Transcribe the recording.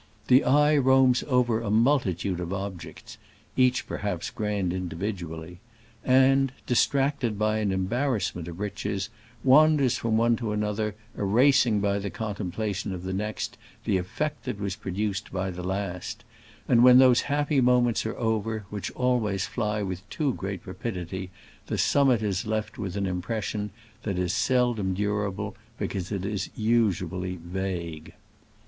The eye roams over a mul titude of objects (each perhaps grand individually),, and, distracted by an embarrassment of riches, wanders from one to another, erasing by the contem plation of the next the effect that was produced by the last ; and when those happy moments are over, which always fly with too great rapidity, the summit is left with an impression that is seldom durable because it is usually vague.